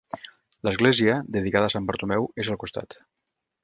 L'església, dedicada a Sant Bartomeu, és al costat.